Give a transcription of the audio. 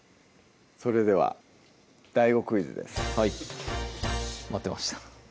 それではＤＡＩＧＯクイズですはい待ってました